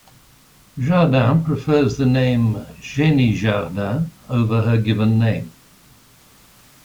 Jardin prefers the name "Xeni Jardin" over her given name.